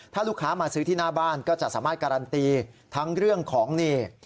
ถ้าลูกค้ามาซื้อที่หน้าบ้านก็จะสามารถการันตีทั้งเรื่องของนี่